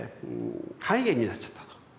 肝炎になっちゃったと。